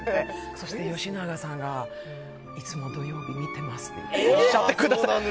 そして吉永さんがいつも土曜日見てますって言ってくださって。